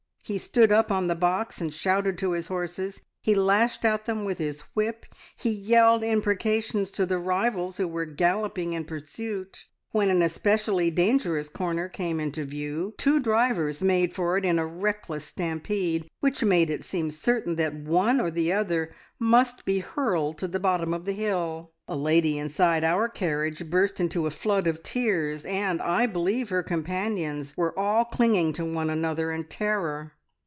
He stood up on the box and shouted to his horses; he lashed at them with his whip; he yelled imprecations to the rivals who were galloping in pursuit. When an especially dangerous corner came in view, two drivers made for it in a reckless stampede, which made it seem certain that one or other must be hurled to the bottom of the hill. A lady inside our carriage burst into a flood of tears, and I believe her companions were all clinging to one another in terror.